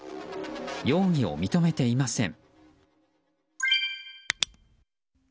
容疑を認めていません。